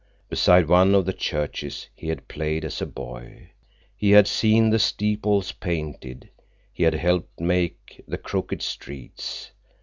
Beside one of the churches he had played as a boy. He had seen the steeples painted. He had helped make the crooked streets.